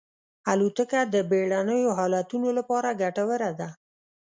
الوتکه د بېړنیو حالتونو لپاره ګټوره ده.